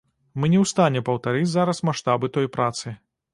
Мы не ў стане паўтарыць зараз маштабы той працы.